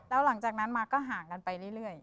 แล้วหลังจากนั้นมาก็ห่างกันไปเรื่อย